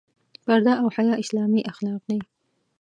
پرده او حیا اسلامي اخلاق دي.